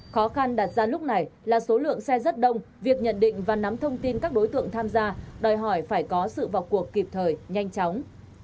khó khăn đặt ra lúc này là số lượng xe rất đông việc nhận định và nắm thông tin các đối tượng tham gia đòi hỏi phải có sự vào cuộc kịp thời nhanh chóng